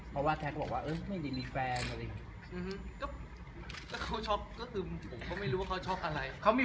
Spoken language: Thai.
เพราะว่าแท็กบอกว่าไม่ได้มีแฟนอะไร